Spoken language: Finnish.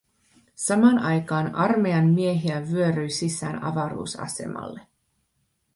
Samaan aikaan armeijan miehiä vyöryi sisään avaruusasemalle.